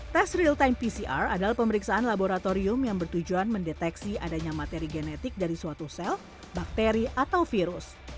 tes real time pcr adalah pemeriksaan laboratorium yang bertujuan mendeteksi adanya materi genetik dari suatu sel bakteri atau virus